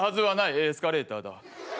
エスカレーターだ。